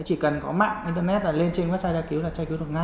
chỉ cần có mạng internet là lên trên website tra cứu là tra cứu được ngay